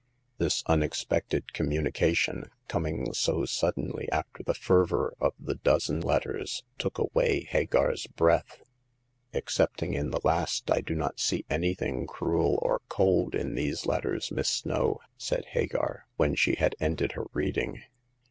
This unexpected communication, coming so suddenly after the fervor of the dozen letters, took away Hagar's breath. Excepting in the last I do not see anything cruel or cold in these letters. Miss Snow," said Hagar, when she had ended her reading.